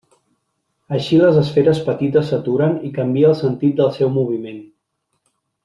Així les esferes petites s'aturen i canvia el sentit del seu moviment.